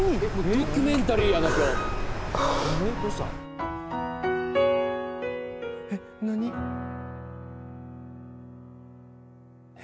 ・ドキュメンタリーやな今日・何で？